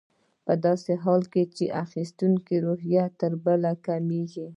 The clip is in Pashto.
په داسې حال کې چې اخیستونکي ورځ تر بلې کمېږي